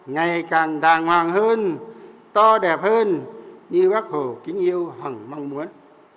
ngày càng đàng hoàng hơn to đẹp hơn như bác hồ kính yêu hẳng mong muốn